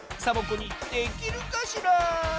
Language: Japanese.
サボ子にできるかしら？